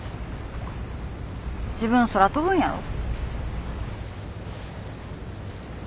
自分空飛ぶんやろ？